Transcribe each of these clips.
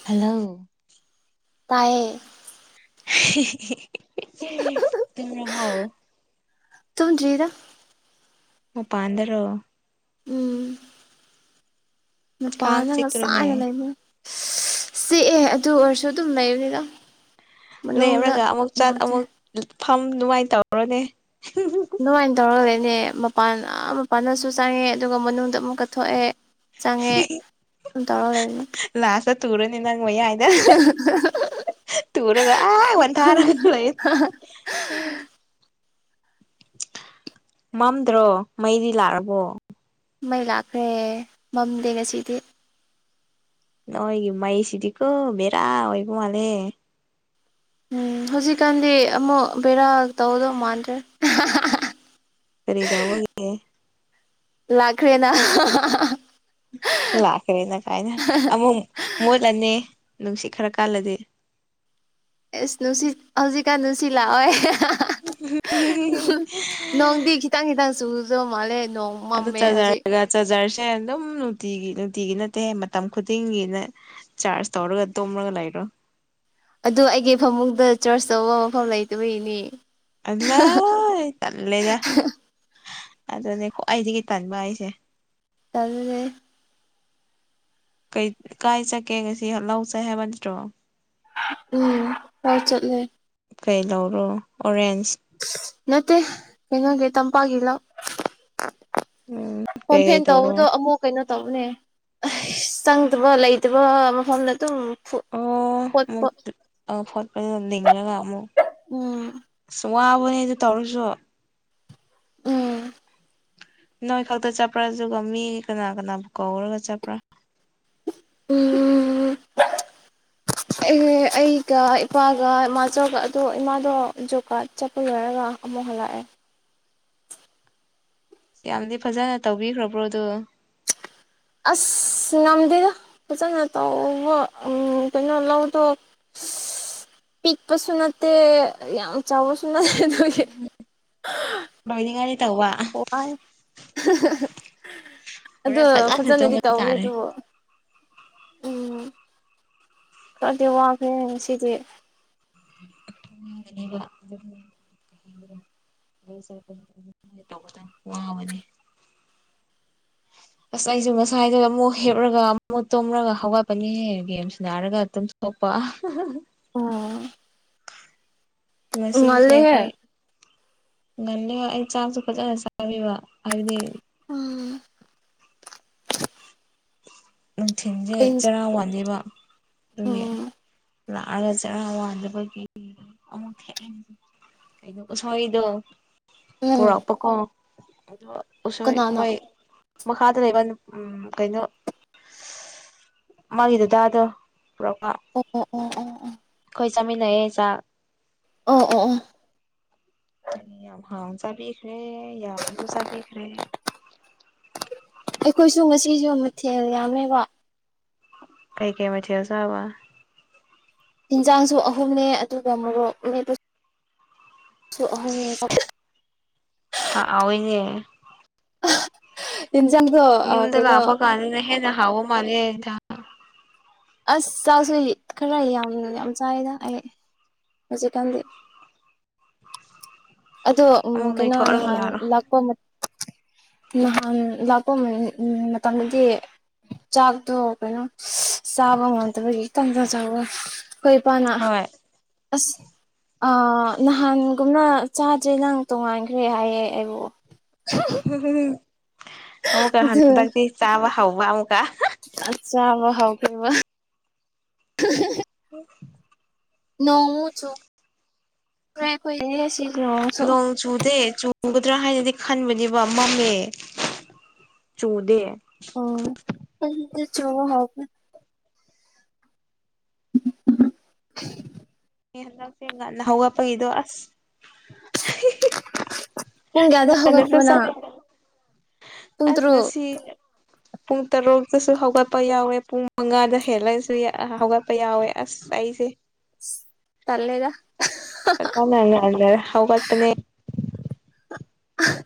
hello ꯇꯥꯏꯌꯦ [unintelligible] ꯇꯨꯝꯔꯕꯣ ꯇꯣꯡꯗ꯭ꯔꯤꯗ ꯃꯄꯥꯟꯗꯔꯣ ꯀꯥꯡ ꯅꯨꯄꯥꯅ ꯉꯁꯥꯏꯅ ꯆꯤꯛꯇ꯭ꯔꯣꯅꯦ ꯂꯩꯕꯅꯤ ꯆꯤꯛꯑꯦ ꯑꯗꯨ ꯑꯣꯏꯔꯁꯨ ꯑꯗꯨꯝ ꯂꯩꯕꯅꯤꯗ ꯃꯅꯨꯡꯗ ꯂꯦꯝꯔꯒ ꯑꯃꯨꯛ ꯆꯠ ꯅꯨꯡꯉꯥꯏꯇꯦ ꯑꯃꯨꯛ ꯐꯝ ꯅꯨꯃꯥꯏ ꯇꯧꯔꯣꯅꯦ ꯑꯗꯨꯃꯥꯏꯟ ꯇꯧꯔ ꯂꯩꯕꯅꯦ ꯃꯄꯥꯟ ꯑꯥ ꯃꯄꯥꯟꯗꯁꯨ ꯆꯪꯉꯦ ꯑꯗꯨꯒ ꯃꯅꯨꯡꯗ ꯑꯃꯨꯛ ꯀ ꯊꯣꯛꯑꯦ ꯆꯪꯉꯦ ꯑꯗꯨꯝ ꯇꯧꯔꯒ ꯂꯩꯕꯅꯤ ꯂꯥꯁ ꯇꯨꯔꯅꯤ ꯅꯪ ꯃꯌꯥꯏ [unintelligible] ꯇꯨꯔꯒ ꯑꯥ ꯋꯥꯟꯊꯔ ꯂꯩ ꯃꯝꯗ꯭ꯔꯣ ꯃꯩꯗꯤ ꯂꯥꯛꯔꯕꯣ ꯃꯩ ꯂꯥꯛꯈ꯭ꯔꯦ ꯃꯝꯗꯦ ꯉꯁꯤꯗꯤ ꯅꯣꯏꯒꯤ ꯃꯩꯁꯤꯗꯤꯀꯣ ꯕꯦꯔꯥ ꯑꯣꯏꯕ ꯃꯥꯜꯂꯦ ꯎꯝ ꯍꯧꯖꯤꯛꯀꯥꯟꯗꯤ ꯑꯃꯨꯛ ꯕꯦꯔꯥ ꯇꯧꯗꯧ ꯃꯥꯟꯗ꯭ꯔꯦ ꯀꯔꯤꯗꯧꯕꯒꯤ ꯂꯥꯛꯈ꯭ꯔꯦꯅ ꯂꯥꯛꯈ꯭ꯔꯦꯅ ꯀꯥꯏꯅ ꯑꯃꯨꯛ ꯃꯨꯠꯂꯅꯤ ꯅꯨꯡꯁꯤꯠ ꯈꯔ ꯀꯥꯜꯂꯗꯤ ꯑꯦꯁ ꯅꯨꯡꯁꯤꯠ ꯍꯧꯖꯤꯛꯀꯥꯟ ꯅꯨꯡꯁꯤꯠ ꯂꯥꯛꯑꯣꯏ ꯅꯣꯡꯗꯤ ꯈꯤꯇꯪ ꯈꯤꯇꯪ ꯆꯨꯁꯨ ꯃꯥꯂꯦ ꯅꯣꯡ ꯑꯗ ꯃꯝꯃꯦ ꯍꯧꯖꯤꯛ ꯆꯥꯖꯔꯒ ꯆꯥꯔꯖꯔꯁꯦ ꯑꯗꯨꯝ ꯅꯨꯡꯇꯤꯒꯤ ꯅꯨꯡꯇꯤꯒꯤ ꯅꯠꯇꯦ ꯃꯇꯝ ꯈꯨꯗꯤꯡꯒꯤꯅ ꯆꯥꯔꯁ ꯇꯧꯔꯒ ꯇꯨꯝꯔꯒ ꯂꯩꯔꯣ ꯑꯗꯨ ꯑꯩꯒꯤ ꯐꯃꯨꯡꯗ ꯆꯔꯆ ꯇꯧꯕ ꯃꯐꯝ ꯂꯩꯇꯕꯒꯤꯅꯤ ꯑꯂꯣꯏ ꯇꯜꯂꯦꯗ ꯑꯗꯨꯅꯦ ꯈ꯭ꯋꯥꯏꯗꯒꯤ ꯇꯟꯕ ꯍꯥꯏꯁꯦ ꯇꯜꯂꯦ ꯀꯩ ꯀꯥꯏ ꯆꯠꯀꯦ ꯉꯁꯤ ꯍ ꯂꯧ ꯆꯍꯦ ꯍꯥꯏꯕ ꯅꯠꯇ꯭ꯔꯣ ꯎꯝ ꯍꯣꯏ ꯆꯠꯂꯦ ꯀꯩ ꯂꯧꯔꯣ ꯑꯣꯔꯦꯟꯖ ꯅꯠꯇꯦ ꯀꯩꯅꯣꯒꯤ ꯇꯝꯄꯥꯛꯀꯤ ꯂꯧ ꯎꯝ ꯀꯩꯀꯩ ꯀꯣꯟꯐꯦꯟ ꯇꯧꯔꯣ ꯇꯧꯕꯗꯣ ꯑꯃꯨꯛ ꯀꯩꯅꯣ ꯇꯧꯕꯅꯦ ꯆꯪꯗꯕ ꯂꯩꯇꯕ ꯃꯐꯝꯗ ꯑꯗꯨꯝ ꯐꯨ ꯄꯣꯠꯄ ꯗꯨ ꯑ ꯐꯣꯠꯄꯗ ꯂꯤꯡꯉꯒ ꯑꯃꯨꯛ ꯎꯝ ꯑꯁ ꯋꯥꯕꯅꯦ ꯑꯗꯨ ꯇꯧꯔꯁꯨ ꯎꯝ ꯅꯣꯏ ꯈꯛꯇ ꯆꯠꯄ꯭ꯔꯥ ꯑꯖꯨꯒ ꯃꯤ ꯀꯅꯥ ꯀꯅꯥꯕꯨ ꯀꯧꯔꯒ ꯆꯠꯄ꯭ꯔꯥ ꯎꯝ ꯎꯝ ꯑꯦ ꯑꯦ ꯑꯩꯒ ꯏꯄꯥꯒ ꯃꯥꯆꯧꯒ ꯑꯗꯣ ꯏꯃꯥꯗꯣ ꯖꯣꯕ ꯀꯥꯔꯗ ꯆꯠꯄ ꯂꯣꯏꯔꯒ ꯑꯃꯨꯛ ꯍꯜꯂꯛꯑꯦ ꯌꯥꯝꯗꯤ ꯐꯖꯅ ꯇꯧꯕꯤꯈ꯭ꯔꯕ꯭ꯔꯣ ꯑꯗꯨ ꯑꯁ ꯉꯝꯗꯦꯗ ꯐꯖꯅ ꯇꯧꯕ ꯎꯝ ꯀꯩꯅꯣ ꯂꯧꯗꯣ ꯄꯤꯛꯄꯁꯨ ꯅꯠꯇꯦ ꯌꯥꯝ ꯆꯥꯎꯕꯁꯨ ꯅꯠꯇꯦ ꯑꯗꯨꯒꯤ ꯕꯥꯏꯅꯤꯡꯗꯤ ꯇꯧꯕ ꯋꯥꯏ ꯑꯗꯣ ꯍꯣꯔꯦꯟ ꯐꯖꯅ ꯐꯖꯅꯗꯤ ꯇꯨꯝꯕ ꯇꯧꯕꯅꯤ ꯇꯥꯔꯦ ꯑꯗꯨ ꯎꯝ ꯈꯔꯗꯤ ꯋꯥꯈ꯭ꯔꯦ ꯉꯁꯤꯗꯤ [unintelligible] ꯃꯩꯆꯠꯄꯅꯤ ꯇꯧꯕꯇꯅꯤ ꯋꯥꯉꯥꯡꯕꯗꯤ ꯑꯁ ꯑꯩꯖꯨ ꯉꯁꯥꯏꯗꯨ ꯑꯃꯨꯛ ꯍꯤꯞꯔꯒ ꯑꯃꯨꯛ ꯇꯨꯔꯒ ꯍꯧꯒꯠꯄꯅꯤꯍꯦ ꯒꯦꯝ ꯁꯟꯅꯔꯒ ꯑꯗꯨꯝ ꯊꯣꯛꯄꯥ ꯑꯍꯥ ꯍꯥ ꯑꯣ ꯉꯁꯤꯁꯦ ꯉꯜꯂꯦꯍꯦ ꯑꯩꯈꯣꯏ ꯉꯟꯂꯦꯕ ꯑꯩ ꯆꯥꯛꯁꯨ ꯐꯖꯅ ꯆꯥꯕꯤꯕ ꯍꯥꯏꯕꯗꯤ ꯎꯝ ꯅꯨꯡꯊꯤꯟꯖꯦ ꯀꯩ ꯆꯔꯥ ꯋꯥꯟꯗꯦꯕ ꯑꯗꯨꯒꯤ ꯎꯝ ꯂꯥꯛꯑꯒ ꯆꯔ ꯋꯥꯟꯗꯕꯒꯤ ꯑꯃꯨꯛ ꯎꯁꯣꯏꯗꯣ ꯎꯝ ꯄꯨꯔꯛꯄꯀꯣ ꯑꯗꯣ ꯎꯁꯣꯏ ꯀꯅꯥꯅꯣ ꯃꯣꯏ ꯃꯈꯥꯗ ꯂꯩꯕ ꯎꯝ ꯀꯩꯅꯣ ꯃꯥꯒꯤ ꯗꯗꯥꯗꯣ ꯄꯨꯔꯛꯄꯥ ꯑꯣ ꯑꯣ ꯑꯣ ꯑꯣ ꯑꯣ ꯈꯣꯏ ꯆꯥꯃꯤꯟꯅꯩꯌꯦ ꯆꯥꯛ ꯑꯣ ꯑꯣ ꯑꯣ ꯌꯥꯝ ꯍꯥꯎ ꯆꯕꯤꯈꯔꯦ ꯌꯥꯝꯖꯨ ꯆꯕꯤꯈ꯭ꯔꯦ ꯑꯩꯈꯣꯏꯁꯨ ꯉꯁꯤꯁꯨ ꯃꯊꯦꯜ ꯌꯥꯝꯃꯦꯕ ꯀꯩ ꯀꯩ ꯃꯊꯦꯜꯆꯥꯕ ꯍꯤꯟꯖꯥꯡꯁꯨ ꯑꯍꯨꯝꯅꯦ ꯑꯗꯨꯒ ꯃꯣꯔꯣꯛ ꯃꯦꯠꯄꯁꯨ ꯑꯍꯨꯝꯅꯦ ꯍꯥꯎꯏꯍꯦ ꯏꯟꯖꯥꯡꯗꯣ ꯌꯨꯝꯗ ꯂꯥꯛꯄ ꯀꯥꯟꯗꯅ ꯍꯦꯟꯅ ꯍꯥꯎꯕ ꯃꯥꯜꯂꯦ ꯏꯟꯖꯥꯡ ꯑꯁ ꯆꯥꯛꯁꯨꯏ ꯈꯔ ꯌꯥꯝ ꯌꯥꯝꯅ ꯆꯥꯏꯗ ꯑꯩ ꯍꯧꯖꯤꯛꯀꯟꯗꯤ ꯑꯗꯣ ꯎꯝ ꯑꯃꯨꯛ ꯀꯩꯅꯣ ꯅꯣꯏꯊꯣꯛꯑꯒ ꯅꯍꯥꯟ ꯂꯥꯛꯑꯣ ꯂꯥꯛꯄ ꯃ ꯅꯍꯥꯟ ꯂꯥꯛꯄ ꯃꯇꯝꯗꯗꯤ ꯆꯥꯛꯇꯣ ꯀꯩꯅꯣ ꯆꯥꯕ ꯉꯝꯗꯕꯒꯤ ꯇꯪꯖꯥ ꯆꯥꯕ ꯈꯣꯏ ꯏꯄꯥꯅ ꯍꯣꯏ ꯑꯁ ꯑꯥ ꯅꯍꯥꯟꯒꯨꯝꯅ ꯆꯥꯖꯦ ꯅꯪ ꯇꯣꯡꯉꯥꯟꯈ꯭ꯔꯦ ꯍꯥꯏꯌꯦ ꯑꯩꯕꯨ ꯑꯃꯨꯛꯀ ꯑꯗꯨ ꯍꯟꯗꯛꯇꯤ ꯆꯥꯕ ꯍꯧꯕ ꯑꯃꯨꯛꯀ ꯑꯆꯥ ꯍꯧꯈ꯭ꯔꯦꯕ ꯎꯝ ꯅꯣꯡꯃꯨꯛ ꯆꯥꯈ꯭ꯔꯦ ꯈꯣꯏꯗꯤꯁꯤ ꯅꯣꯡ ꯆꯨꯗꯦ ꯆꯨ ꯆꯨꯒꯗ꯭ꯔꯥ ꯍꯥꯏꯅꯗꯤ ꯈꯟꯕꯅꯦꯕ ꯃꯝꯃꯦ ꯆꯨꯗꯦ ꯑꯣ ꯑꯈꯣꯏꯗꯗꯤꯆꯨꯕ ꯍꯧꯈ꯭ꯔꯦ [unintelligible] ꯑꯩ ꯍꯟꯗꯛꯁꯦ ꯉꯥꯟꯅ ꯍꯧꯒꯄꯒꯤꯗꯣ ꯑꯁ ꯄꯨꯡ ꯀꯌꯥꯗ ꯉꯟꯅꯁꯨ ꯍꯧꯒꯠꯄ꯭ꯔꯣ ꯅꯪ ꯆꯠꯂꯦ ꯄꯨꯡ ꯑꯁ ꯇꯔꯨꯛ ꯉꯁꯤ ꯄꯨꯡ ꯇꯔꯨꯛꯇꯁꯨ ꯍꯧꯒꯠꯄ ꯌꯥꯎꯋꯦ ꯄꯨꯡ ꯃꯉꯥꯗ ꯍꯦꯜꯂꯁꯨ ꯍꯧꯒꯠ ꯄ ꯌꯥꯎꯋꯦ ꯑꯁ ꯑꯩꯁꯦ ꯁ ꯇꯜꯂꯦꯗ [unintelligible] ꯑꯍꯥ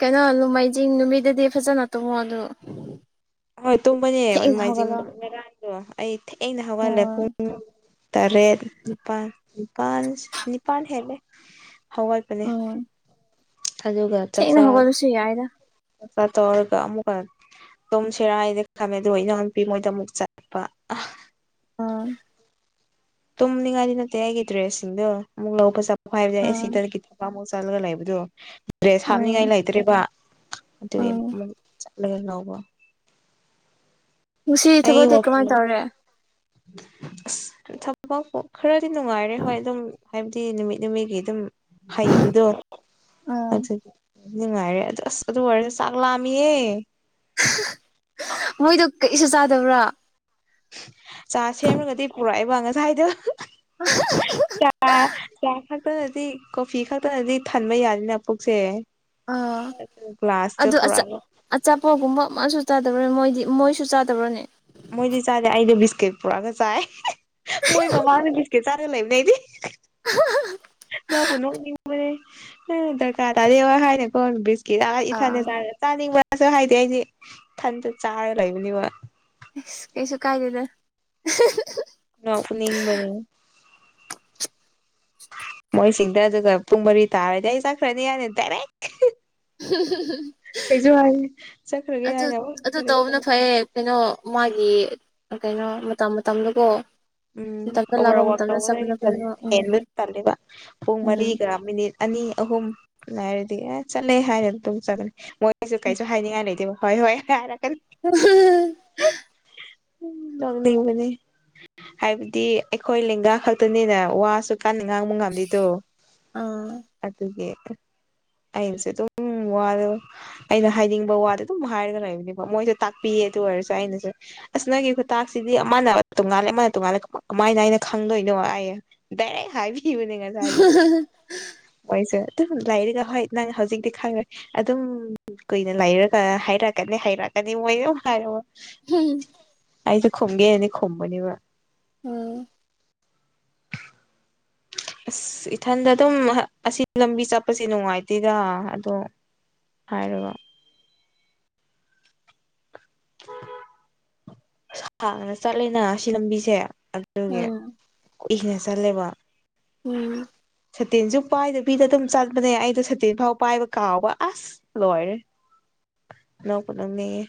ꯀꯩꯅꯣ ꯂꯨꯃꯥꯏꯖꯤꯡ ꯅꯨꯃꯤꯠꯗꯗꯤ ꯐꯖꯅ ꯇꯨꯝꯃꯣ ꯑꯗꯨ ꯍꯣꯏ ꯇꯨꯝꯕꯅꯦ ꯊꯦꯡꯅ ꯅꯨꯃꯥꯏꯖꯤꯡ ꯍꯧꯒꯠꯂꯣ ꯉꯔꯥꯡꯗꯣ ꯑꯩ ꯊꯦꯡꯅ ꯍꯧꯒꯜꯂꯦ ꯎꯝ ꯄꯨꯡ ꯇꯔꯦꯠ ꯅꯤꯄꯥꯟ ꯅꯤꯄꯥꯟ ꯁ ꯅꯤꯄꯥꯟ ꯍꯦꯜꯂꯦ ꯍꯧꯒꯠꯄꯅꯦ ꯎꯝ ꯑꯗꯨꯒ ꯊꯦꯡꯅ ꯆꯛꯆꯥꯔ ꯍꯧꯒꯠꯂꯁꯨ ꯌꯥꯏꯗ ꯀ ꯇꯧꯔꯒ ꯑꯃꯨꯛꯀ ꯇꯨꯃꯁꯤꯔꯥ ꯍꯥꯏꯗ ꯈꯝꯃꯦ ꯑꯗꯨꯒ ꯏꯅꯥꯎ ꯅꯨꯄꯤ ꯃꯣꯏꯗ ꯑꯃꯨꯛ ꯆꯠ ꯑ ꯇꯨꯝꯅꯤꯉꯥꯏꯗꯤ ꯅꯠꯇꯦ ꯑꯩꯒꯤ ꯗ꯭ꯔꯦꯁꯁꯤꯡꯗꯣ ꯑꯃꯨꯛ ꯂꯧꯄ ꯆꯞ ꯍꯥꯏꯕ [unintelligible] ꯎꯝ ꯑꯩꯁꯤꯗꯒꯤꯠ ꯄꯥꯃꯨꯛ ꯆꯠꯂꯒ ꯂꯩꯕꯗꯣ ꯗ꯭ꯔꯦꯁ ꯎꯝ ꯍꯥꯞꯅꯤꯉꯥꯏ ꯂꯩꯇ꯭ꯔꯦꯕ ꯑꯗꯨꯒꯤ ꯎꯝ ꯃꯨꯛ ꯆꯠ ꯂꯒ ꯂꯧꯕ ꯉꯁꯤ ꯑꯩ ꯊꯕꯛꯇꯤ ꯀꯃꯥꯏꯅ ꯋꯥꯀꯤꯡ ꯇꯧꯔꯦ ꯑꯁ ꯊꯕꯛꯄꯨ ꯈꯔꯗꯤ ꯅꯨꯉꯥꯏꯔꯦ ꯍꯣꯏ ꯑꯗꯨꯝ ꯍꯥꯏꯕꯗꯤ ꯅꯨꯃꯤꯠ ꯅꯨꯃꯤꯒꯤ ꯗꯨꯝ ꯍꯩꯕꯗꯣ ꯎꯝ ꯑꯗꯨꯒꯤ ꯅꯤꯡꯉꯥꯏꯔꯦ ꯑꯗꯨ ꯑꯁ ꯑꯗꯨ ꯑꯣꯏꯔ ꯆꯥꯛ ꯂꯥꯝꯃꯤꯌꯦ ꯃꯣꯏꯗꯣ ꯀꯩꯁꯨ ꯆꯥꯗꯕ꯭ꯔꯥ ꯆꯥ ꯁꯦꯝꯔꯒꯗꯤ ꯄꯨꯔꯛꯑꯦꯕ ꯉꯁꯥꯏꯗꯣ ꯆꯥ ꯆꯥ ꯊꯛꯇꯅꯗꯤ ꯀꯣꯐꯤ ꯈꯛꯇꯅꯗꯤ ꯊꯟꯕ ꯌꯥꯅꯤꯅ ꯄꯨꯛꯁꯦ ꯑꯗꯨ ꯒ꯭ꯂꯥꯁꯇꯣ ꯄꯨꯔꯑꯒ ꯑꯆꯥꯄꯣꯒꯨꯝꯕ ꯑꯃꯁꯨ ꯆꯥꯗꯕ꯭ꯔ ꯃꯣꯏꯗꯤ ꯃꯣꯏꯁꯨ ꯆꯥꯗꯕ꯭ꯔꯅꯦ ꯃꯣꯏꯗꯤ ꯆꯥꯗꯦ ꯑꯩꯩꯗꯤ ꯕꯤꯁꯀꯤꯠ ꯄꯨꯔꯑꯒ ꯆꯥꯏ ꯃꯣꯏ ꯃꯃꯥꯅ ꯕꯤꯁꯀꯤꯠ ꯆꯥꯔ ꯂꯩꯕꯅꯦ ꯑꯩꯗꯤ [unintelligible] ꯅꯪꯄꯨ ꯅꯣꯛꯅꯤꯡꯕꯅꯦ ꯗꯔꯀꯥꯔ ꯇꯥꯔꯦ ꯋꯥ ꯍꯥꯏꯅꯀꯣ ꯕꯤꯁꯀꯤꯠ ꯑ ꯏꯊꯟꯅ ꯑꯥ ꯆꯥꯔꯦ ꯆꯥꯅꯤꯡꯕꯁꯨ ꯍꯥꯏꯗꯦ ꯑꯩꯗꯤ ꯊꯟꯇ ꯆꯥꯔ ꯂꯩꯕꯅꯤꯕ ꯑꯁ ꯀꯩꯁꯨ ꯀꯥꯏꯗꯦꯗ ꯅꯣꯛꯅꯤꯡꯕꯅꯦ [unintelligible] ꯃꯣꯏꯁꯤꯡꯗ ꯑꯗꯨꯒ ꯄꯨꯡ ꯃꯔꯤ ꯇꯥꯔꯗꯤ ꯑꯩ ꯆꯛꯈ꯭ꯔꯅꯤ ꯍꯥꯏꯅ ꯗꯥꯏꯔꯦꯛ [unintelligible] ꯀꯩꯖꯨ ꯍꯥꯏ ꯆꯛꯈ꯭ꯔꯒꯦ ꯑꯗꯨ ꯍꯥꯏꯅ ꯃꯨꯛ ꯑꯗꯨ ꯇꯧꯕꯅ [unintelligible] ꯐꯩꯌꯦ ꯀꯩꯅꯣ ꯃꯥꯒꯤ ꯀꯩꯅꯣ ꯃꯇꯝ ꯃꯇꯝꯗꯀꯣ ꯎꯝ ꯃꯇꯝꯗ ꯂꯥꯛꯄ ꯑꯣꯕꯔꯋꯥꯛ ꯃꯇꯝꯗ ꯇꯧꯕꯗ ꯑꯩꯗꯤ ꯆꯠꯄꯅ ꯇꯜ ꯐꯩꯌꯦ ꯎꯝ ꯍꯦꯟꯕ ꯇꯜꯂꯦꯕ ꯄꯨꯡ ꯎꯝ ꯃꯔꯤꯒ ꯃꯤꯅꯤꯠ ꯑꯅꯤ ꯑꯍꯨꯝ ꯂꯥꯏꯔꯗꯤ ꯑꯦ ꯆꯠꯂꯦ ꯍꯥꯏꯔ ꯗꯨꯝ ꯆꯒꯅꯤ ꯃꯣꯏ ꯑꯩꯁꯨ ꯀꯩꯁꯨ ꯍꯥꯏꯅꯤꯉꯥꯏ ꯂꯩꯇꯦꯕ ꯍꯣꯏ ꯍꯣꯏ ꯍꯥꯏꯔꯛꯀꯅꯤ [unintelligible] ꯎꯝ ꯅꯣꯛꯅꯤꯡꯕꯅꯦ ꯍꯥꯏꯕꯗꯤ ꯑꯩꯈꯣꯏ ꯂꯦꯡꯒꯥ ꯈꯛꯇꯅꯤꯅ ꯋꯥꯁꯨ ꯀꯟꯅ ꯉꯥꯡꯕ ꯉꯝꯂꯤꯗꯣ ꯑꯥ ꯑꯗꯨꯒꯤ ꯑꯩꯅꯁꯨ ꯗꯨꯝ ꯋꯥꯔ ꯑꯩꯅ ꯍꯥꯏꯅꯤꯡꯕ ꯋꯥꯗ ꯗꯨꯝ ꯍꯥꯏꯔꯒ ꯂꯩꯕꯅꯤꯀꯣ ꯃꯣꯏꯖꯨ ꯇꯥꯛꯄꯤꯌꯦ ꯗꯨ ꯑꯣꯏꯔꯁꯨ ꯑꯩꯅꯁꯨ ꯑꯁ ꯅꯪꯒꯤ ꯈꯨꯇꯥꯛꯁꯤꯗꯤ ꯃꯥꯅ ꯇꯣꯉꯥꯜꯂꯦ ꯃꯥꯅ ꯇꯣꯉꯥꯜꯂꯦ ꯀꯃꯥꯏꯅ ꯈꯪꯗꯣꯏꯅꯣ ꯑꯩ ꯗꯥꯏꯔꯦꯛ ꯍꯥꯏꯕꯤꯕꯅꯦ ꯉꯁꯥꯏꯖꯦ ꯍꯣꯏꯁꯦ ꯗꯨꯝ ꯂꯩꯔꯤꯒ ꯍꯣꯏ ꯅꯪ ꯍꯧꯖꯤꯛꯗꯤ ꯈꯪꯔꯣꯏ ꯑꯗꯨꯝ ꯀꯨꯏꯅ ꯂꯩꯔꯒ ꯍꯩꯔꯛꯀꯅꯤ ꯍꯩꯔꯛꯀꯅꯤ ꯃꯣꯏ ꯗꯨꯝ ꯍꯥꯏꯔꯑꯣ [unintelligible] ꯑꯩꯖꯨ ꯈꯨꯝꯒꯦꯅꯤ ꯈꯨꯝꯕꯅꯦꯕ ꯎꯝ ꯑꯁ ꯏꯊꯟꯗ ꯑꯗꯨꯝ ꯑꯁꯤ ꯂꯝꯕꯤ ꯆꯠꯄꯁꯦ ꯅꯨꯡꯉꯥꯏꯇꯦꯗ ꯑꯗꯣ ꯍꯥꯏꯔꯒ ꯁꯥꯡꯅ ꯆꯠꯂꯤꯅ ꯁꯤ ꯂꯝꯕꯤꯁꯦ ꯑꯗꯨꯒꯤ ꯎꯝ ꯀꯨꯏꯅ ꯆꯜꯂꯦꯕ ꯎꯝ ꯁꯇꯤꯟꯁꯨ ꯄꯥꯏꯗꯕꯤꯗ ꯑꯗꯨꯝ ꯆꯠꯄꯅꯦ ꯑꯩꯗꯣ ꯁꯇꯤꯟ ꯐꯥꯎ ꯄꯥꯏꯕ ꯀꯥꯎꯕ ꯑꯁ ꯂꯣꯏꯔꯦ ꯅꯣꯛꯄꯨ ꯅꯣꯛꯅꯤꯉꯢ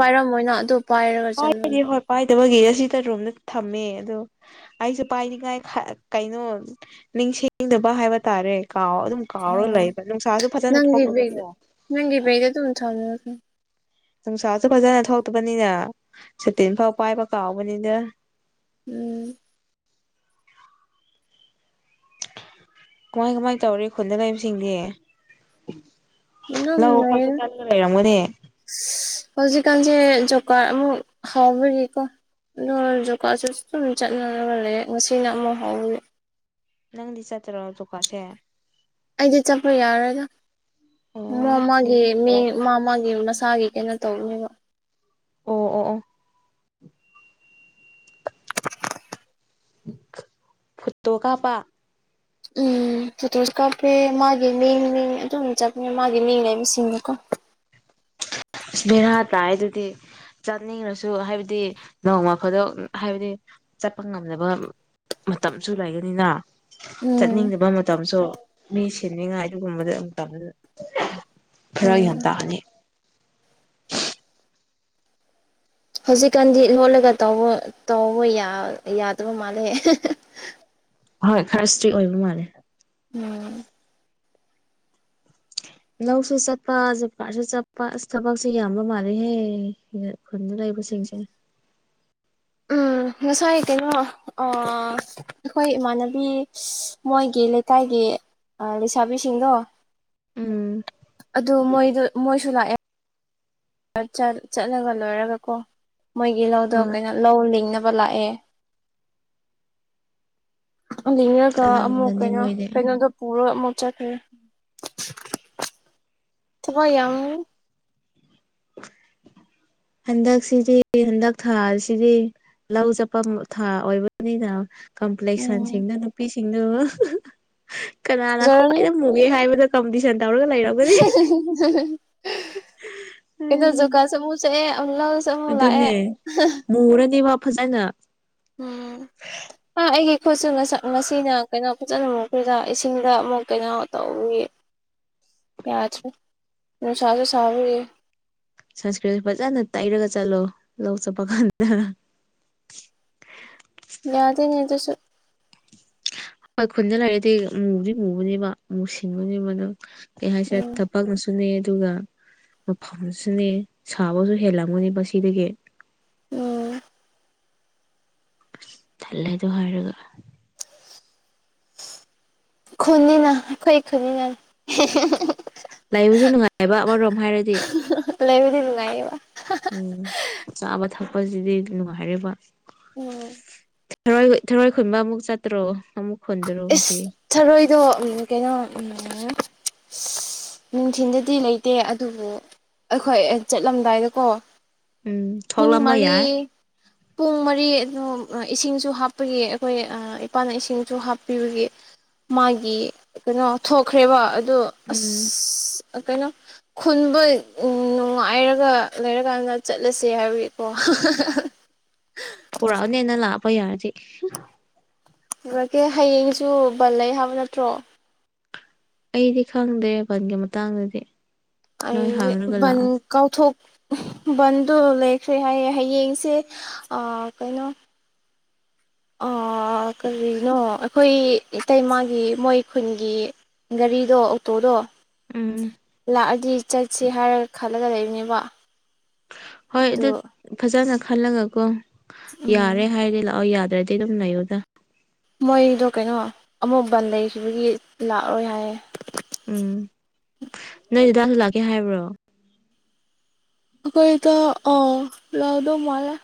ꯄꯥꯏꯔꯝꯃꯣꯏꯅ ꯑꯗꯨ ꯄꯥꯏꯔꯒ ꯆꯠꯂꯣꯅꯣ ꯄꯥꯏꯗꯦ ꯍꯣꯏ ꯄꯥꯏꯗꯕꯒꯤ ꯑꯁꯤꯗꯔꯣꯝꯗ ꯊꯝꯃꯦ ꯑꯗꯣ ꯑꯩꯁꯨ ꯄꯥꯏꯅꯤꯡꯉꯥꯏ ꯀꯩꯅꯣ ꯅꯤꯡꯁꯤꯡꯗꯕ ꯍꯥꯏꯕ ꯇꯥꯔꯦ ꯀꯥꯎ ꯑꯗꯨꯝ ꯀꯥꯎꯔꯒ ꯎꯝ ꯂꯩꯕ ꯅꯨꯡꯁꯥꯁꯨ ꯐꯖꯅ ꯅꯪꯒꯤ ꯕꯦꯒ ꯊꯣꯛꯂꯕꯀꯣ ꯅꯪꯒꯤ ꯕꯦꯡꯗ‌ ꯑꯗꯨꯝ ꯊꯝꯃꯨ ꯅꯨꯡꯁꯥꯁꯨ ꯐꯖꯅ ꯊꯣꯛꯇꯕꯅꯤꯅ ꯁꯨꯇꯤꯟ ꯐꯥꯎ ꯄꯥꯏꯕ ꯀꯥꯎꯕꯅꯤꯅ ꯎꯝ ꯀꯃꯥꯏ ꯀꯃꯥꯏ ꯇꯧꯔꯤ ꯈꯨꯟꯗ ꯂꯩꯕꯁꯤꯡꯗꯤ ꯂꯧ ꯈꯛꯇ ꯑꯗꯨꯝ‌‌ꯂꯩꯌꯦꯗ ꯆꯠꯂꯒ ꯂꯩꯔꯝꯒꯅꯤ ꯍꯧꯖꯤꯛ ꯀꯥꯟꯁꯦ ꯖꯦꯞ ꯑꯃꯨꯛ ꯍꯧꯎꯕꯒꯤꯀꯣ ꯑꯗꯨ ꯖꯨꯀꯥꯁꯨ ꯑꯗꯨꯝ ꯆꯠꯅꯅꯕ ꯂꯩ ꯉꯁꯤꯅ ꯑꯃꯨꯛ ꯍꯧꯋꯦ ꯅꯪꯗꯤ ꯆꯠꯇꯔꯣ ꯖꯣꯀꯥꯠꯁꯦ ꯑꯩꯗꯤ ꯆꯠꯄ ꯌꯥꯔꯣꯏꯗ ꯑꯣ ꯃꯣꯏ‌ ꯃꯧꯏꯒꯤ‌‌‌‌ꯃꯤ‌ ‌ ꯃꯁ ꯃꯥꯒꯤ ꯀꯩꯅꯣ ꯇꯧꯅꯦꯕ ꯑꯣ ꯑꯣ ꯑꯣ ꯐꯨꯠꯇꯣ ꯀꯥꯞꯄ ꯎꯝ ꯐꯣꯇꯣꯁꯨ ꯀꯥꯞꯄꯦ ꯃꯥꯒꯤ ꯃꯤ ꯃꯤꯡ ꯑꯗꯨꯝ ꯆꯠꯄꯅꯦ ꯃꯥꯒꯤ ꯃꯤ ꯂꯩꯕꯁꯤꯡꯗꯀꯣ ꯕꯩꯔꯥ ꯇꯥꯏ ꯑꯗꯨꯗꯤ ꯆꯠꯅꯤꯡꯉ꯭ꯔꯁꯨ ꯍꯥꯏꯕꯗꯤ ꯅꯣꯡꯃ ꯐꯥꯗꯣꯛ ꯍꯥꯏꯕꯗꯤ ꯆꯠꯄ ꯉꯝꯗꯕ ꯃꯇꯝꯁꯨ ꯂꯩꯒꯅꯤꯅ ꯎꯝ ꯆꯠꯅꯤꯡꯗꯕ ꯃꯇꯝꯁꯨ ꯃꯤ ꯁꯦꯟꯅꯤꯡꯉꯥꯏ ꯑꯗꯨꯒꯨꯝꯕꯗ ꯈꯔ ꯒ꯭ꯌꯥꯟ ꯎꯝ ꯇꯥꯅꯤ [inaudible] ꯍꯧꯖꯤꯛꯀꯥꯟꯗꯤ ꯂꯣꯜꯂꯒ ꯇꯧꯕ ꯇꯧꯕ ꯌꯥꯗꯕ ꯃꯥꯜꯂꯦ ꯍꯣꯏ ꯈꯔ ꯏꯁꯇ꯭ꯔꯤꯛ ꯑꯣꯏꯕ ꯃꯥꯜꯂꯦ ꯎꯝ [unintelligible] ꯂꯧꯁꯨ ꯆꯠꯄ ꯖꯣꯝꯀꯔꯥꯠꯁꯨ ꯆꯠꯄ ꯑꯁ ꯊꯕꯛꯁꯦ ꯌꯥꯝꯕ ꯃꯥꯜꯂꯦꯍꯦ ꯈꯨꯟꯗ ꯂꯩꯕꯁꯤꯡꯁꯦ ꯎꯝ ꯉꯁꯥꯏ ꯀꯩꯅꯣ ꯑꯥ ꯑꯩꯈꯣꯏ ꯏꯃꯥꯟꯅꯕꯤ ꯃꯣꯏꯒꯤ ꯂꯩꯀꯥꯏꯒꯤ ꯑ ꯂꯩꯁꯥꯕꯤꯁꯤꯡꯗꯣ ꯎꯝ ꯑꯗꯨ ꯃꯣꯏꯗ ꯃꯣꯏꯁꯨ ꯂꯥꯛꯑꯦ ꯆꯠ ꯆꯠꯂꯒ ꯂꯣꯏꯔꯒꯀꯣ ꯃꯣꯏꯒꯤ ꯂꯧꯗꯣ ꯍꯣꯏ ꯀꯩꯅꯣ ꯂꯧ ꯂꯤꯡꯅꯕ ꯂꯥꯛꯑꯦ ꯂꯤꯉꯒ ꯑꯃꯨꯛ ꯆꯠꯂꯝꯒꯅꯤ ꯀꯩꯅꯣ ꯃꯣꯏꯗꯤ ꯀꯩꯅꯣꯗꯣ ꯄꯨꯔ ꯑꯃꯨꯛ ꯆꯠꯈꯔꯦ ꯊꯕꯛ ꯌꯥꯝ ꯍꯟꯗꯛꯁꯤꯗꯤ ꯍꯟꯗꯛ ꯊꯥꯁꯤꯗꯤ ꯂꯧ ꯆꯠꯄ ꯊꯥ ꯑꯣꯏꯕꯅꯤꯅ ꯎꯝ ꯀꯝꯄ꯭ꯂꯦꯛꯁꯟꯁꯤꯡꯗꯨ ꯅꯨꯄꯤꯁꯤꯡꯗꯨꯣ ꯀꯅꯥꯅ ꯐꯖꯔꯅꯤ ꯈ꯭ꯋꯥꯏꯗꯩ ꯃꯨ ꯒꯦ ꯍꯥꯕꯗ ꯀꯝꯄꯤꯇꯤꯁ ꯀꯩꯅꯣ ꯖꯣꯝꯀꯥꯠꯁꯨ ꯑꯃꯨꯛ ꯆꯠꯂꯦ ꯂꯧꯁꯨ ꯑꯃꯨꯛ ꯂꯥꯛꯑꯦ ꯑꯗꯨꯅꯦ ꯃꯨꯔꯅꯤ ꯃꯥ ꯐꯖꯅ ꯎꯝ ꯍꯥ ꯑꯩꯒꯤ ꯈꯨꯠꯁꯨ ꯉꯁꯥꯏ ꯉꯁꯤꯅ ꯀꯩꯅꯣ ꯐꯖꯅ ꯑꯃꯨꯛꯈꯣꯏꯗ ꯏꯁꯤꯡꯗ ꯑꯃꯨꯛ ꯀꯩꯅꯣ ꯇꯧꯅꯤ [inaudible] ꯌꯥꯗꯔꯦ ꯅꯨꯡꯁꯁꯨ ꯁꯥꯕꯔꯤꯌꯦ ꯁꯟ ꯁꯀ꯭ꯔꯤꯟ ꯐꯖꯅ ꯇꯩꯔꯒ ꯆꯠꯂꯣ ꯂꯧ ꯆꯠꯄ ꯀꯥꯟꯗ ꯌꯥꯗꯦꯅꯦ ꯑꯗꯨꯁꯨ ꯍꯣꯏ ꯈꯨꯟꯗ ꯂꯩꯑꯗꯤ ꯃꯨꯗꯤ ꯃꯨꯕꯅꯦꯕ ꯃꯨ ꯁꯤꯟꯕꯅꯦꯕ ꯅꯪ ꯀꯩ ꯍꯥꯏꯁꯤꯔꯥ ꯎꯝ ꯊꯕꯛꯅꯁꯨ ꯅꯤ ꯑꯗꯨꯒ ꯃꯐꯝꯁꯤꯅꯦ ꯁꯥꯕꯁꯨ ꯍꯦꯜꯂꯝꯒꯅꯤ ꯃꯁꯤꯗꯒꯤ ꯑꯣ ꯇꯜꯂꯦ ꯑꯗꯨ ꯍꯥꯏꯔꯒ ꯈꯨꯟꯅꯤꯅ ꯑꯩꯈꯣꯏ ꯈꯨꯟꯅꯤꯅ ꯂꯥꯏꯕꯁꯨ ꯅꯨꯡꯉꯥꯏꯕ ꯑꯃꯔꯣꯝ ꯍꯥꯏꯔꯗꯤ ꯂꯩꯕꯤꯗꯤ ꯅꯨꯡꯉꯥꯏꯌꯦꯕ ꯎꯝ ꯆꯥꯕ ꯊꯛꯄꯁꯤꯗꯤ ꯅꯨꯡꯉꯥꯏꯔꯦꯕ ꯑꯣꯝ ꯊꯔꯣꯏ ꯊꯔꯣꯏ ꯈꯨꯟꯕ ꯑꯃꯨꯛ ꯆꯠꯇꯔꯣ ꯑꯃꯨꯛ ꯈꯨꯨꯟꯗ꯭ꯔꯣ ꯉꯁꯤ ꯏꯁ ꯊꯔꯣꯏꯗꯣ ꯎꯝ ꯀꯩꯅꯣ ꯎꯝ ꯅꯨꯡꯊꯤꯟꯗꯗꯤ ꯂꯩꯇꯦ ꯑꯗꯨꯕꯨ ꯑꯩꯈꯣꯏ ꯆꯠꯂꯝꯗꯥꯏꯗꯀꯣ ꯎꯝ ꯄꯨꯡ ꯊꯣꯛꯂꯝꯕ ꯃꯔꯤ ꯌꯥꯏ ꯄꯨꯡ ꯃꯔꯤ ꯑꯗꯨ ꯏꯁꯤꯡꯁꯨ ꯍꯥꯞꯄꯒꯤ ꯑꯩꯈꯣꯏ ꯏꯄꯥꯅ ꯏꯁꯤꯡꯁꯨ ꯍꯥꯞ ꯄꯤꯕꯒꯤ ꯃꯥꯒꯤ ꯀꯩꯅꯣ ꯊꯣꯛꯈ꯭ꯔꯦꯕ ꯑꯗꯣ ꯑꯁ ꯎꯝ ꯑꯥ ꯀꯩꯅꯣ ꯈꯨꯟꯕ ꯅꯨꯡꯉꯥꯏꯔꯒ ꯂꯩꯔꯀꯥꯟꯗ ꯆꯠꯂꯁꯦ ꯍꯥꯏꯕꯏꯀꯣ ꯄꯨꯔꯛꯑꯣꯅꯦ ꯅꯪ ꯂꯥꯛꯄ ꯌꯥꯔꯗꯤ ꯄꯨꯔꯥꯛꯀꯦ ꯍꯌꯦꯡꯁꯨ ꯕꯟ ꯂꯩ ꯍꯥꯏꯕ ꯅꯠꯇ꯭ꯔꯣ ꯑꯩꯗꯤ ꯈꯪꯗꯦ ꯕꯟꯒꯤ ꯃꯇꯥꯡꯗꯗꯤ ꯅꯣꯏ ꯍꯌꯦꯡꯗꯤ ꯍꯥꯡꯔꯒ ꯕꯥꯟ ꯂꯥꯛꯑꯣ ꯀꯥꯎꯊꯣꯛ ꯕꯟꯗꯣ ꯂꯩꯈ꯭ꯔꯦ ꯍꯥꯏꯌꯦ ꯍꯌꯦꯡꯁꯦ ꯑꯥ ꯀꯩꯅꯣ ꯑꯥ ꯀꯔꯤꯅꯣ ꯑꯩꯈꯣꯏ ꯏꯇꯩꯃꯒꯤ ꯃꯣꯏ ꯈꯨꯟꯒꯤ ꯒꯥꯔꯤꯗꯣ ꯑꯣꯛꯇꯣꯗꯣ ꯎꯝ ꯂꯥꯛꯑꯗꯤ ꯆꯠꯁꯦ ꯍꯥꯏꯔꯒ ꯈꯜꯂꯒ ꯂꯩꯕꯅꯦꯕ ꯍꯣꯏ ꯑꯗꯨ ꯐꯖꯅ ꯈꯜꯂꯒꯀꯣ ꯎꯝ ꯌꯥꯔꯦ ꯍꯥꯏꯔꯗꯤ ꯂꯥꯛꯑꯣ ꯌꯥꯗ꯭ꯔꯗꯤ ꯗꯤ ꯑꯗꯨꯝ ꯂꯩꯌꯣꯗ ꯃꯣꯏꯗꯣ ꯀꯩꯅꯣ ꯑꯃꯨꯛ ꯕꯟ ꯂꯩꯈꯤꯕꯒꯤ ꯂꯥꯛꯔꯣꯏ ꯍꯥꯏꯌꯦ ꯎꯝ ꯅꯣꯏ ꯗꯗꯥꯁꯨ ꯂꯥꯛꯀꯦ ꯍꯥꯏꯕ꯭ꯔꯣ ꯑꯩꯈꯣꯏ ꯗꯥ ꯑꯥ ꯂꯛꯗꯧ ꯃꯥꯜꯂꯦ